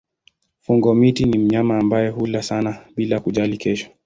Fungo-miti ni mnyama ambaye hula sana bila kujali kesho.